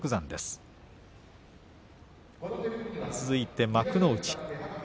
続いて幕内。